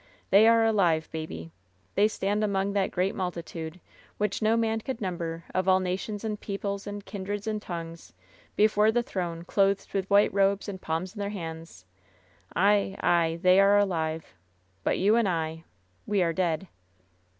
They are alive, baby. They stand among that ^^^reat multitude, which no man could number, of all nations and peoples and kindreds and tongues — ^before the throne — clothed with white robes and palms in their hands.' Ay, ay 1 They are alive ! But you and I — we are dead."